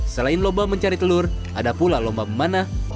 selain lomba mencari telur ada pula lomba memanah